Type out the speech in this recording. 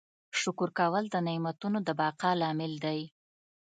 شکر کول د نعمتونو د بقا لامل دی.